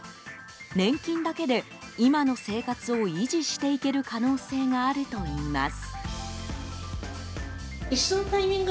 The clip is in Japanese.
年金だけで今の生活を維持していける可能性があるといいます。